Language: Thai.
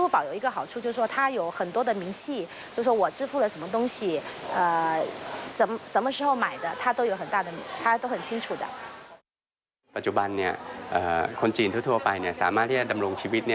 ปัจจุบันคนจีนทั่วไปสามารถที่จะดำรงชีวิต